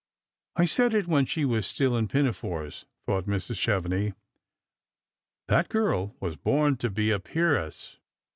" I said it when she was still in pinafores," thought Mrs, Chevenix ;*' that girl was bom to be a peeresa."